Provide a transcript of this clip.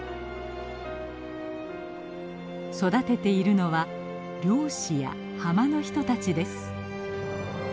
育てているのは漁師や浜の人たちです。